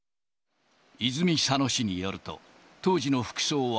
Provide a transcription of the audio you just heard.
泉佐野市によると、当時の服装は、